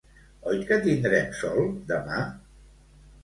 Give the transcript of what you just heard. Oi que tindrem sol demà?